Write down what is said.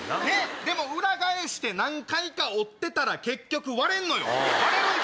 でも裏返して何回か折ってたら結局割れんのよ。